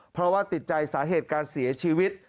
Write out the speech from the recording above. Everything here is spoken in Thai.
เพราะว่าติดใจสาเหตุการเสียชีวิต